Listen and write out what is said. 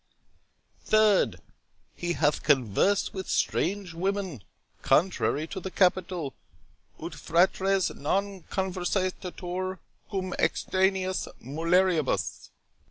—3d, He hath conversed with strange women, contrary to the capital, 'Ut fratres non conversantur cum extraneis mulieribus'.